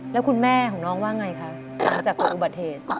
แล้วคุณแม่ของน้องว่าไงคะหลังจากเกิดอุบัติเหตุ